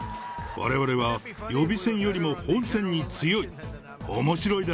われわれは予備選よりも本選に強い。